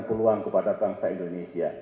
peluang kepada bangsa indonesia